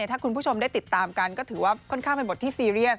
ถ้าคุณผู้ชมได้ติดตามกันก็ถือว่าค่อนข้างเป็นบทที่ซีเรียส